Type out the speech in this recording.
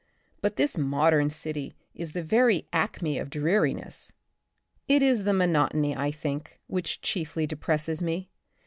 But this modern city is the very acme of dreariness. It is the monotony I think, which chiefly depresses me.